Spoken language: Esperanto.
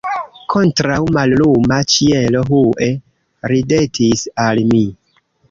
Kontraŭ malluma ĉielo Hue ridetis al mi.